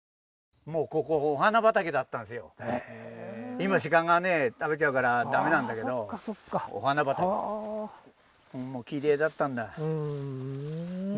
今、鹿が食べちゃうから駄目なんだけど、お花畑、きれいだったんだ。